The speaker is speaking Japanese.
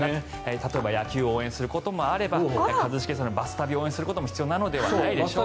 例えば野球を応援することもあれば一茂さんのバス旅を応援することも必要なのではないでしょうか。